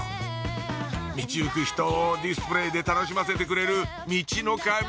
ミチ行く人をディスプレーで楽しませてくれるミチノカミ